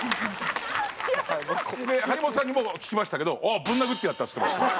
張本さんにも聞きましたけど「おうぶん殴ってやった！」っつってました。